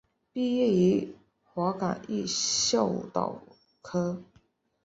毕业于华冈艺校舞蹈科。